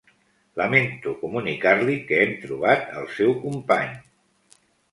Lamento comunicar-li que hem trobat el seu company.